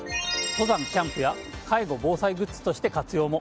登山・キャンプや介護・防災グッズとして活用も。